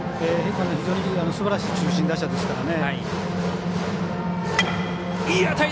すばらしい中心打者ですからね。